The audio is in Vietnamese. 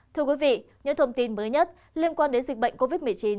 thưa quý vị những thông tin mới nhất liên quan đến dịch bệnh covid một mươi chín